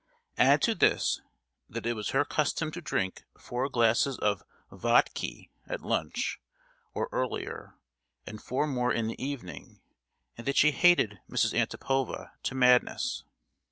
Add to this, that it was her custom to drink four glasses of "vodki" at lunch, or earlier, and four more in the evening; and that she hated Mrs. Antipova to madness.